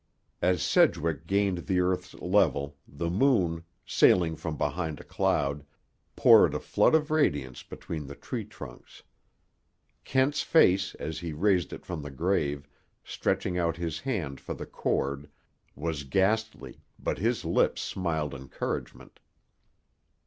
As Sedgwick gained the earth's level, the moon, sailing from behind a cloud, poured a flood of radiance between the tree trunks. Kent's face, as he raised it from the grave, stretching out his hand for the cord, was ghastly, but his lips smiled encouragement.